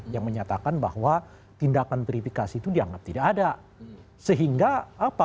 yang menyatakan bahwa tindakan verifikasi itu dianggap tidak ada